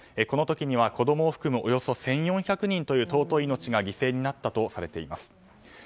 この時には子供を含むおよそ１４００人という尊い命が犠牲になったとされています。